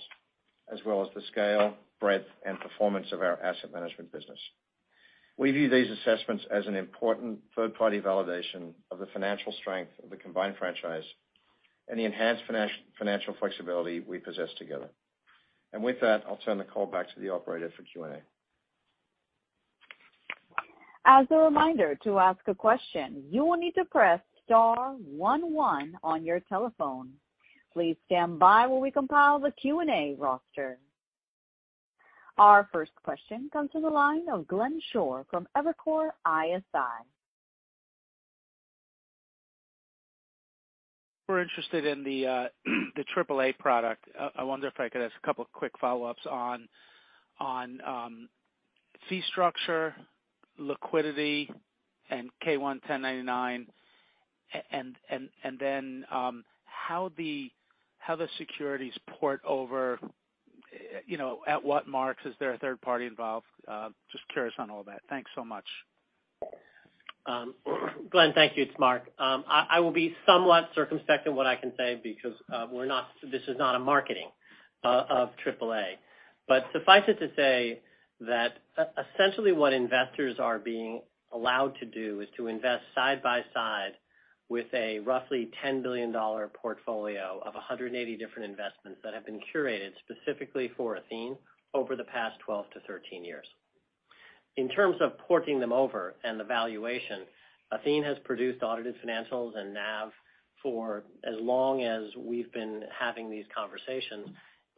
as well as the scale, breadth, and performance of our asset management business. We view these assessments as an important third-party validation of the financial strength of the combined franchise and the enhanced financial flexibility we possess together. With that, I'll turn the call back to the operator for Q&A. As a reminder, to ask a question, you will need to press star one one on your telephone. Please stand by while we compile the Q&A roster. Our first question comes from the line of Glenn Schorr from Evercore ISI. We're interested in the AAA product. I wonder if I could ask a couple quick follow-ups on fee structure, liquidity, and K-1, 1099? How the securities port over, you know, at what marks? Is there a third party involved? Just curious on all that. Thanks so much. Glenn, thank you. It's Marc. I will be somewhat circumspect in what I can say because this is not a marketing of AAA. But suffice it to say that essentially what investors are being allowed to do is to invest side by side with a roughly $10 billion portfolio of 180 different investments that have been curated specifically for Athene over the past 12-13 years. In terms of porting them over and the valuation, Athene has produced audited financials and NAV for as long as we've been having these conversations.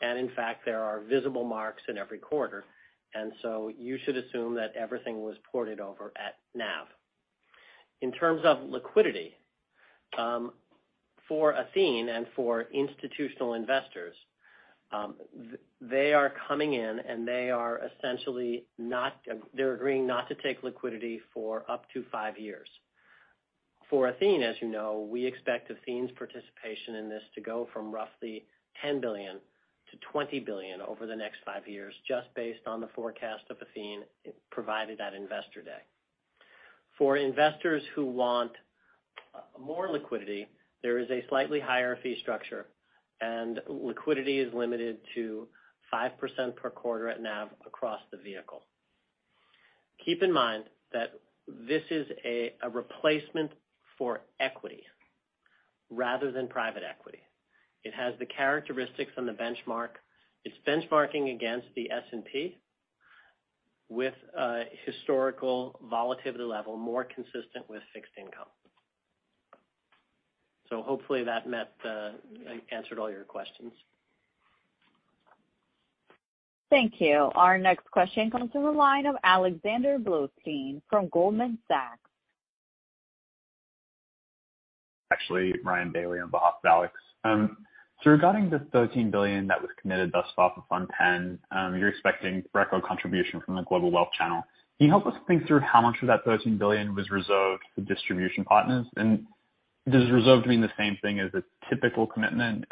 In fact, there are visible marks in every quarter. You should assume that everything was ported over at NAV. In terms of liquidity, for Athene and for institutional investors, they are coming in, and they are essentially not, they're agreeing not to take liquidity for up to five years. For Athene, as you know, we expect Athene's participation in this to go from roughly $10 billion to $20 billion over the next five years, just based on the forecast of Athene provided at Investor Day. For investors who want more liquidity, there is a slightly higher fee structure, and liquidity is limited to 5% per quarter at NAV across the vehicle. Keep in mind that this is a replacement for equity rather than private equity. It has the characteristics on the benchmark. It's benchmarking against the S&P with a historical volatility level more consistent with fixed income. Hopefully that answered all your questions. Thank you. Our next question comes from the line of Alexander Blostein from Goldman Sachs. Actually, Ryan Bailey on behalf of Alex. Regarding the $13 billion that was committed thus far for Fund X, you're expecting record contribution from the Global Wealth channel. Can you help us think through how much of that $13 billion was reserved for distribution partners? Does reserved mean the same thing as a typical commitment?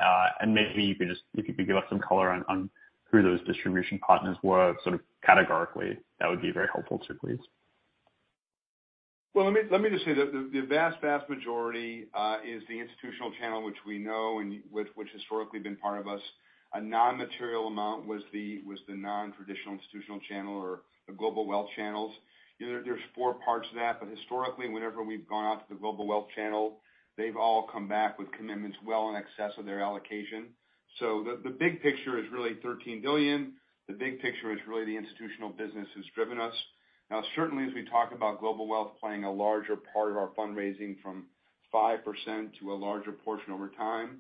Maybe you could just, if you could give us some color on who those distribution partners were, sort of categorically, that would be very helpful, sir, please? Well, let me just say that the vast majority is the institutional channel, which we know and which historically been part of us. A non-material amount was the non-traditional institutional channel or the Global Wealth channels. You know, there's four parts to that, but historically, whenever we've gone out to the Global Wealth channel, they've all come back with commitments well in excess of their allocation. The big picture is really $13 billion. The big picture is really the institutional business has driven us. Now, certainly, as we talk about Global Wealth playing a larger part of our fundraising from 5% to a larger portion over time,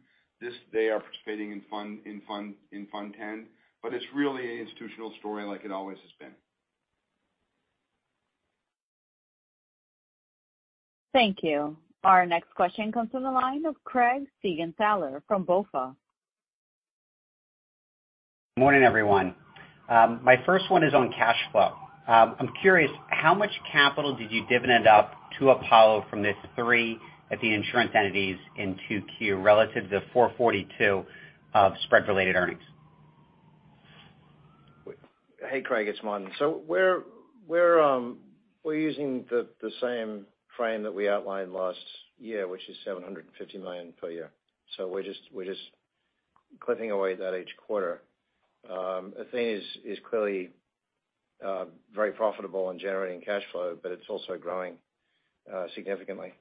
they are participating in Fund X. It's really an institutional story like it always has been. Thank you. Our next question comes from the line of Craig Siegenthaler from BofA. Morning, everyone. My first one is on cash flow. I'm curious, how much capital did you dividend up to Apollo from these three Athene insurance entities in 2Q relative to the $442 million of spread-related earnings? Hey, Craig. It's Martin. We're using the same frame that we outlined last year, which is $750 million per year. We're just clipping away at that each quarter. Athene is clearly very profitable in generating cash flow, but it's also growing significantly.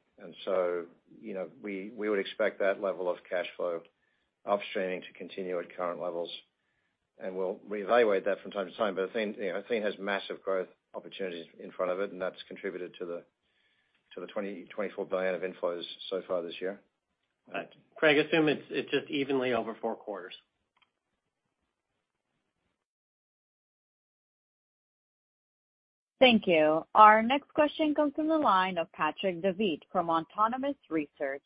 You know, we would expect that level of cash flow upstreaming to continue at current levels, and we'll reevaluate that from time to time. Athene, you know, Athene has massive growth opportunities in front of it, and that's contributed to the To the $24 billion of inflows so far this year. Right. Craig, assume it's just evenly over four quarters. Thank you. Our next question comes from the line of Patrick Davitt from Autonomous Research.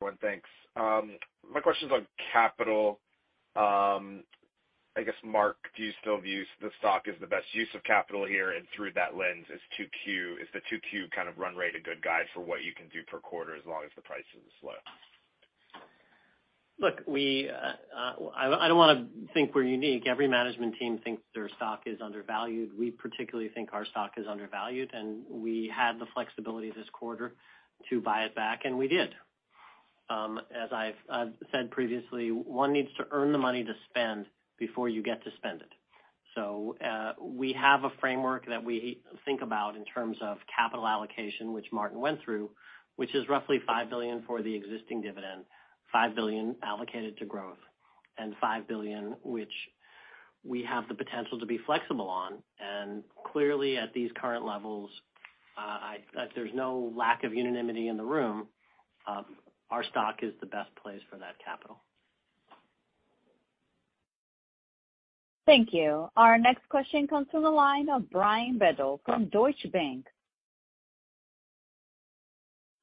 Well, thanks. My question's on capital. I guess, Marc, do you still view the stock as the best use of capital here? Through that lens, is the 2Q kind of run rate a good guide for what you can do per quarter as long as the prices slip? Look, I don't wanna think we're unique. Every management team thinks their stock is undervalued. We particularly think our stock is undervalued, and we had the flexibility this quarter to buy it back, and we did. As I've said previously, one needs to earn the money to spend before you get to spend it. So, we have a framework that we think about in terms of capital allocation, which Martin went through, which is roughly $5 billion for the existing dividend, $5 billion allocated to growth, and $5 billion, which we have the potential to be flexible on. Clearly, at these current levels, there's no lack of unanimity in the room, our stock is the best place for that capital. Thank you. Our next question comes to the line of Brian Bedell from Deutsche Bank.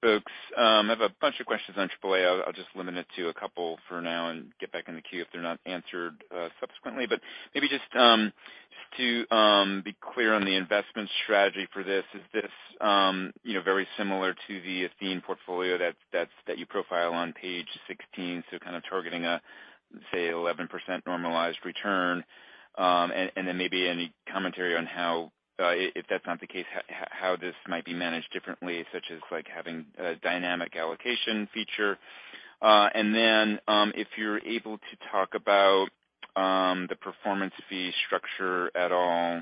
Folks, I have a bunch of questions on AAA. I'll just limit it to a couple for now and get back in the queue if they're not answered subsequently. Maybe just to be clear on the investment strategy for this. Is this you know very similar to the Athene portfolio that you profile on Page 16, so kind of targeting a say 11% normalized return? And then maybe any commentary on how if that's not the case how this might be managed differently, such as like having a dynamic allocation feature? If you're able to talk about the performance fee structure at all,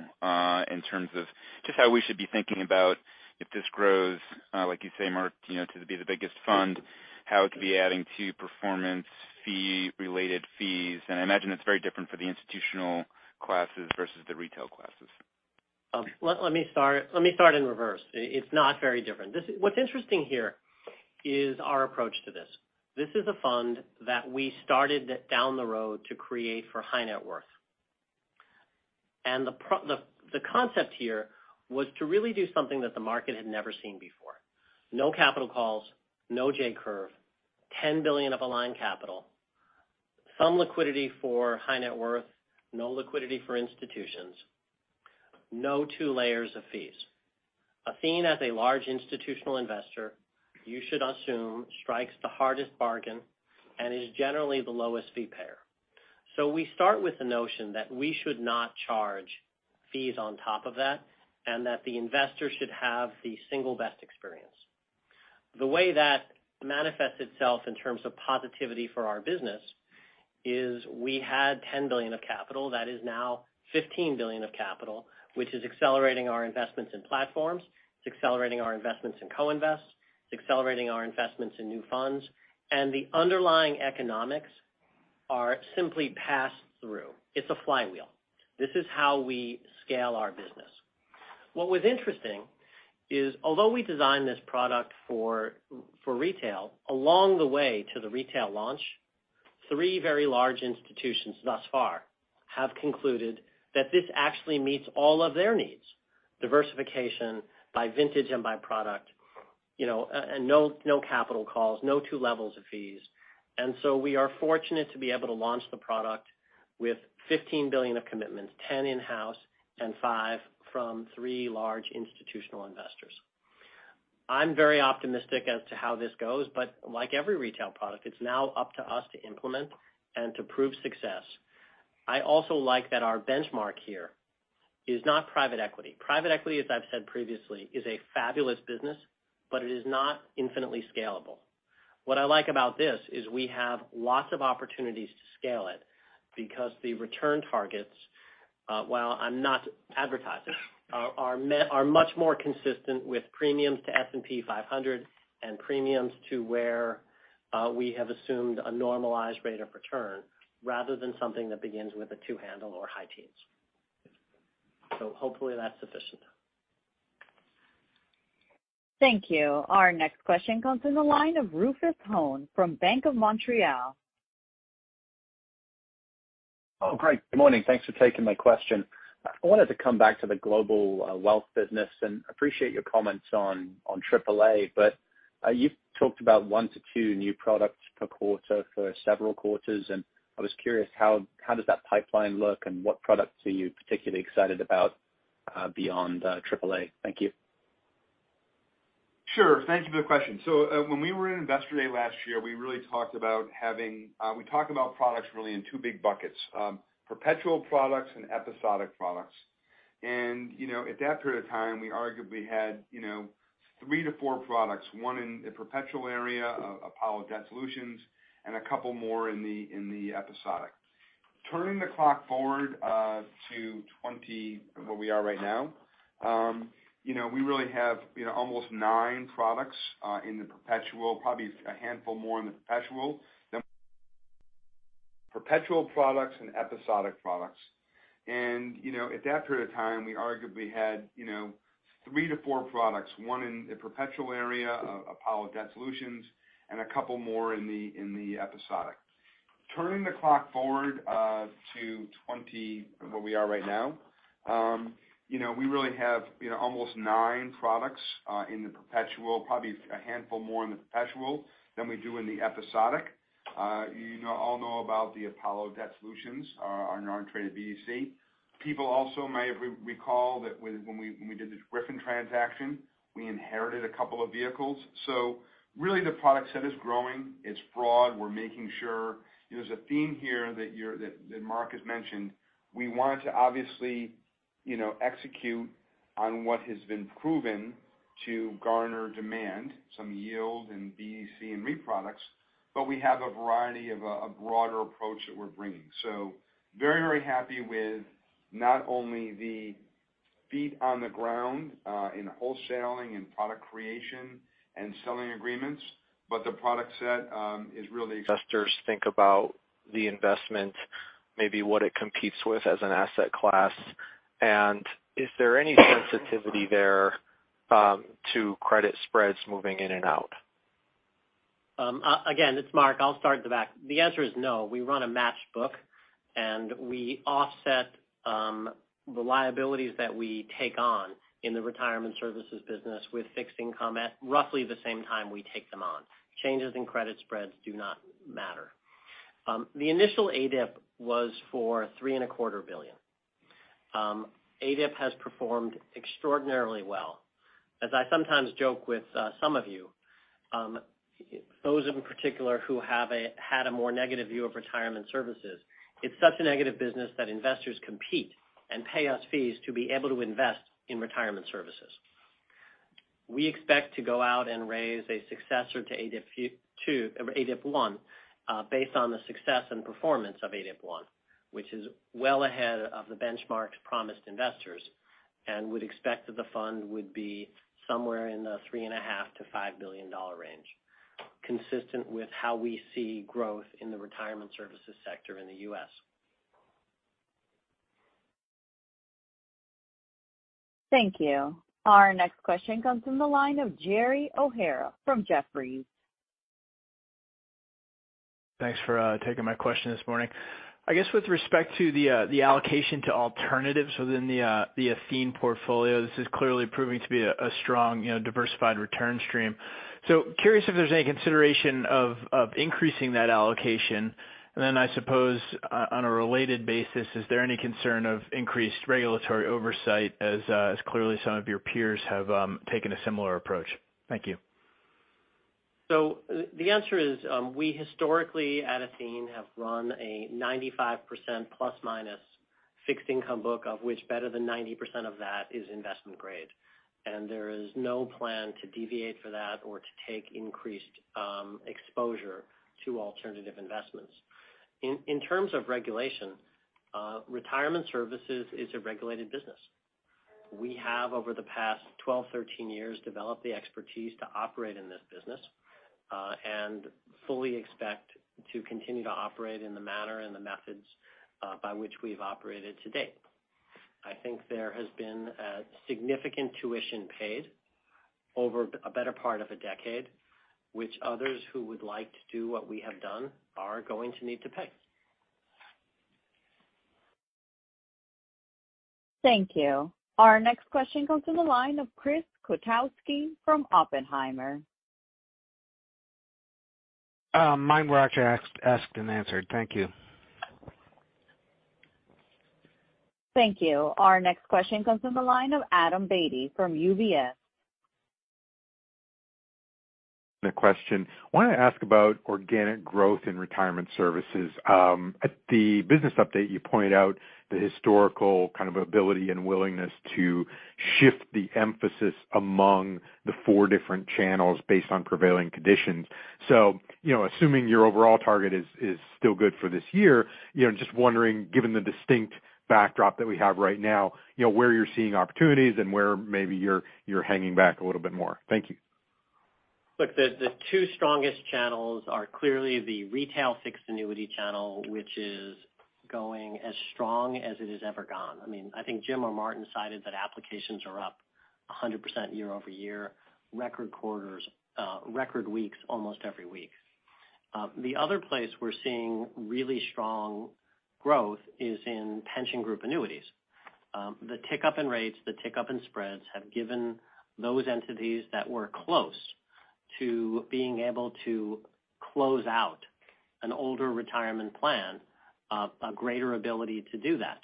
in terms of just how we should be thinking about if this grows, like you say, Marc, you know, to be the biggest fund, how it could be adding to performance fee related fees? I imagine it's very different for the institutional classes versus the retail classes. Let me start in reverse. It's not very different. This is. What's interesting here is our approach to this. This is a fund that we started down the road to create for high net worth. The concept here was to really do something that the market had never seen before. No capital calls, no J curve, $10 billion of aligned capital, some liquidity for high net worth, no liquidity for institutions, no two layers of fees. Athene as a large institutional investor, you should assume strikes the hardest bargain and is generally the lowest fee payer. We start with the notion that we should not charge fees on top of that and that the investor should have the single best experience. The way that manifests itself in terms of positivity for our business is we had $10 billion of capital that is now $15 billion of capital, which is accelerating our investments in platforms. It's accelerating our investments in co-invest. It's accelerating our investments in new funds. The underlying economics are simply pass through. It's a flywheel. This is how we scale our business. What was interesting is, although we designed this product for retail, along the way to the retail launch, three very large institutions thus far have concluded that this actually meets all of their needs, diversification by vintage and by product, you know, and no capital calls, no two levels of fees. We are fortunate to be able to launch the product with $15 billion of commitments, $10 billion in-house, and $5 billion from three large institutional investors. I'm very optimistic as to how this goes, but like every retail product, it's now up to us to implement and to prove success. I also like that our benchmark here is not private equity. Private equity, as I've said previously, is a fabulous business, but it is not infinitely scalable. What I like about this is we have lots of opportunities to scale it because the return targets, while I'm not advertising, are much more consistent with premiums to S&P 500 and premiums to where we have assumed a normalized rate of return rather than something that begins with a two handle or high teens. Hopefully that's sufficient. Thank you. Our next question comes in the line of Rufus Hone from Bank of Montreal. Oh, great. Good morning. Thanks for taking my question. I wanted to come back to the Global Wealth business and appreciate your comments on AAA. You've talked about one to two new products per quarter for several quarters, and I was curious, how does that pipeline look and what products are you particularly excited about beyond AAA? Thank you. Sure. Thank you for the question. When we were in Investor Day last year, we really talked about products really in two big buckets, perpetual products and episodic products. You know, at that period of time, we arguably had, you know, three to four products, one in the perpetual area, Apollo Debt Solutions, and a couple more in the episodic. Turning the clock forward to 2020, where we are right now, you know, we really have, you know, almost nine products in the perpetual, probably a handful more in the perpetual. Turning the clock forward to 20 where we are right now, you know, we really have, you know, almost nine products in the perpetual, probably a handful more in the perpetual than we do in the episodic. You know, you all know about the Apollo Debt Solutions, our non-traded BDC. People also may recall that when we did the Griffin transaction, we inherited a couple of vehicles. Really, the product set is growing. It's broad. We're making sure there's a theme here that Marc has mentioned. We want to obviously, you know, execute on what has been proven to garner demand, some yield in BDC and REIT products, but we have a variety of a broader approach that we're bringing. Very, very happy with not only the feet on the ground in wholesaling and product creation and selling agreements, but the product set is really. Investors think about the investment, maybe what it competes with as an asset class. Is there any sensitivity there, to credit spreads moving in and out? Again, it's Marc. I'll start at the back. The answer is no. We run a matched book, and we offset the liabilities that we take on in the retirement services business with fixed income at roughly the same time we take them on. Changes in credit spreads do not matter. The initial ADIP was for $3.25 billion. ADIP has performed extraordinarily well. As I sometimes joke with some of you, those in particular who have had a more negative view of retirement services, it's such a negative business that investors compete and pay us fees to be able to invest in retirement services. We expect to go out and raise a successor to ADIP II, ADIP I, based on the success and performance of ADIP I, which is well ahead of the benchmarks promised investors, and would expect that the fund would be somewhere in the $3.5 billion-$5 billion range, consistent with how we see growth in the retirement services sector in the U.S. Thank you. Our next question comes from the line of Gerry O'Hara from Jefferies. Thanks for taking my question this morning. I guess with respect to the allocation to alternatives within the Athene portfolio, this is clearly proving to be a strong, you know, diversified return stream. Curious if there's any consideration of increasing that allocation? I suppose on a related basis, is there any concern of increased regulatory oversight as clearly some of your peers have taken a similar approach? Thank you. The answer is, we historically, at Athene, have run a 95% plus minus fixed income book, of which better than 90% of that is investment grade. There is no plan to deviate for that or to take increased exposure to alternative investments. In terms of regulation, retirement services is a regulated business. We have, over the past 12-13 years, developed the expertise to operate in this business, and fully expect to continue to operate in the manner and the methods by which we've operated to date. I think there has been a significant tuition paid over a better part of a decade, which others who would like to do what we have done are going to need to pay. Thank you. Our next question comes from the line of Chris Kotowski from Oppenheimer. Mine were actually asked and answered. Thank you. Thank you. Our next question comes from the line of Adam Beatty from UBS. The question. Wanna ask about organic growth in retirement services. At the business update, you pointed out the historical kind of ability and willingness to shift the emphasis among the four different channels based on prevailing conditions. You know, assuming your overall target is still good for this year, you know, just wondering, given the distinct backdrop that we have right now, you know, where you're seeing opportunities and where maybe you're hanging back a little bit more? Thank you. Look, the two strongest channels are clearly the retail fixed annuity channel, which is going as strong as it has ever gone. I mean, I think Jim or Martin cited that applications are up 100% year-over-year, record quarters, record weeks, almost every week. The other place we're seeing really strong growth is in pension group annuities. The tick up in rates, the tick up in spreads, have given those entities that were close to being able to close out an older retirement plan, a greater ability to do that.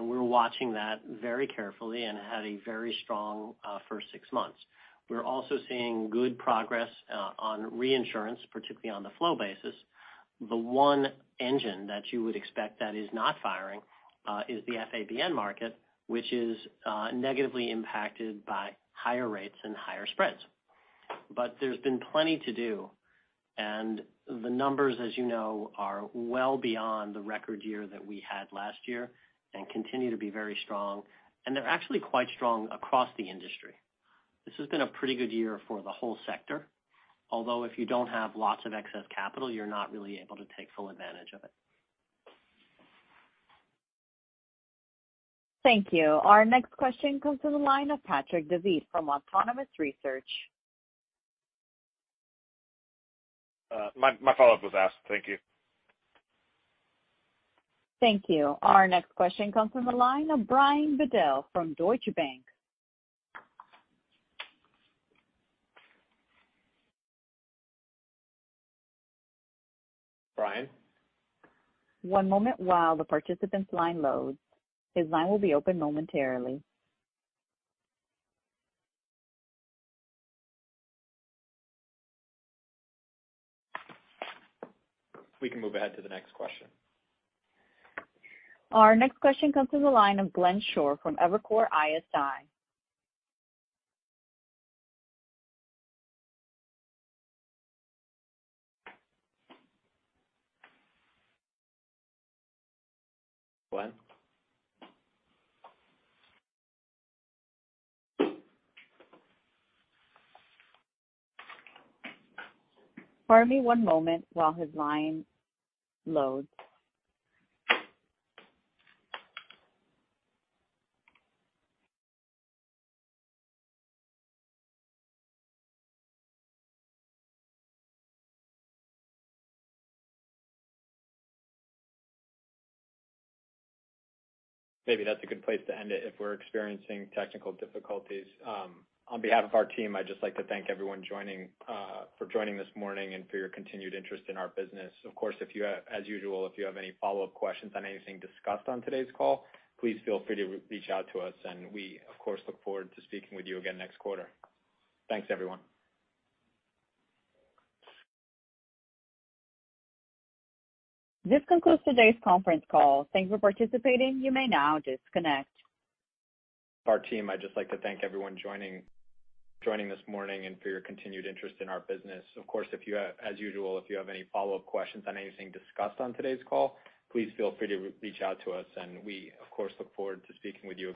We're watching that very carefully and had a very strong, first six months. We're also seeing good progress, on reinsurance, particularly on the flow basis. The one engine that you would expect that is not firing is the FABN market, which is negatively impacted by higher rates and higher spreads. But there's been plenty to do, and the numbers, as you know, are well beyond the record year that we had last year and continue to be very strong. They're actually quite strong across the industry. This has been a pretty good year for the whole sector, although if you don't have lots of excess capital, you're not really able to take full advantage of it. Thank you. Our next question comes to the line of Patrick Davitt from Autonomous Research. My follow-up was asked. Thank you. Thank you. Our next question comes from the line of Brian Bedell from Deutsche Bank. Brian? One moment while the participant's line loads. His line will be open momentarily. We can move ahead to the next question. Our next question comes to the line of Glenn Schorr from Evercore ISI. Glenn? Pardon me one moment while his line loads. Maybe that's a good place to end it if we're experiencing technical difficulties. On behalf of our team, I'd just like to thank everyone for joining this morning and for your continued interest in our business. Of course, as usual, if you have any follow-up questions on anything discussed on today's call, please feel free to reach out to us, and we, of course, look forward to speaking with you again next quarter. Thanks, everyone. This concludes today's conference call. Thank you for participating. You may now disconnect. Our team, I'd just like to thank everyone joining this morning and for your continued interest in our business. Of course, as usual, if you have any follow-up questions on anything discussed on today's call, please feel free to reach out to us, and we, of course, look forward to speaking with you.